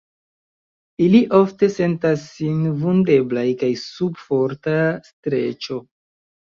Ili ofte sentas sin vundeblaj kaj sub forta streĉo.